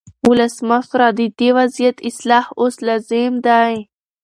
ولسمشره، د دې وضعیت اصلاح اوس لازم دی.